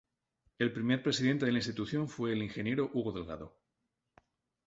El primer presidente de la institución fue el Ing. Hugo Delgado.